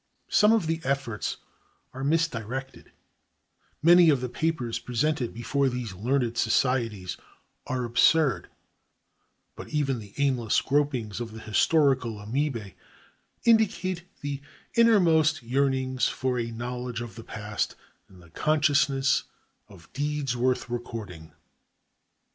Some of the efforts are misdirected, many of the papers presented before these learned societies are absurd; but even the aimless gropings of the historical amœbæ indicate the innermost yearnings for a knowledge of the past and the consciousness of deeds worth recording.